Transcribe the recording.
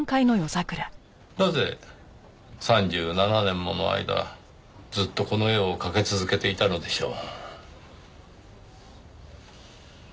なぜ３７年もの間ずっとこの絵を掛け続けていたのでしょう。